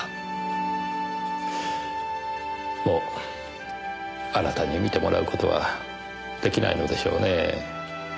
もうあなたに見てもらう事は出来ないのでしょうねえ。